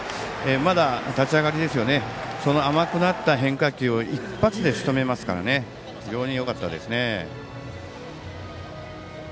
まだ、立ち上がりで甘くなった変化球を一発でしとめましたから非常によかったです。